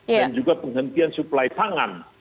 dan juga penghentian suplai tangan